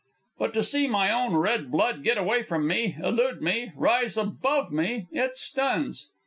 But to see my own red blood get away from me, elude me, rise above me! It stuns.